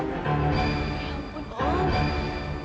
ya ampun om